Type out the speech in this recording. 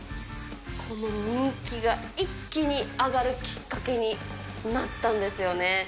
この人気が一気に上がるきっかけになったんですよね。